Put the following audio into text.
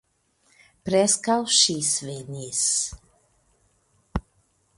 Preskaŭ ŝi svenis.